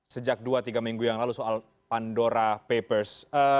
sejak dua tiga minggu yang lalu soal pandora papers